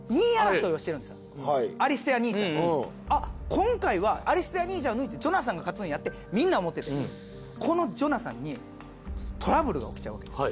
今回はアリステア兄ちゃんを抜いてジョナサンが勝つんやってみんな思っててこのジョナサンにトラブルが起きちゃうわけです